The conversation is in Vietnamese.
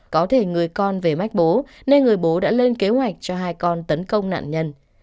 có thể người con về mách bố nên người bố đã lên kế hoạch cho hai con tấn công nạn nhân